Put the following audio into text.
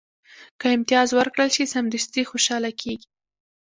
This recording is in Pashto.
که امتیاز ورکړل شي، سمدستي خوشاله کېږي.